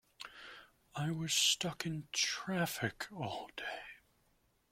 I was stuck in traffic all day!